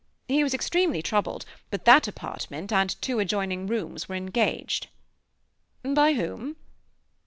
He was extremely troubled, but that apartment and two adjoining rooms were engaged. "By whom?"